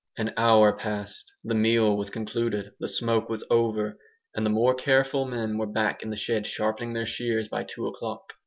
An hour passed. The meal was concluded; the smoke was over; and the more careful men were back in the shed sharpening their shears by two o'clock.